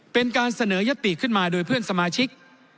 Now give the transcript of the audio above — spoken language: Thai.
เป็นการเสนอยติขึ้นมาโดยเพื่อนสมาชิก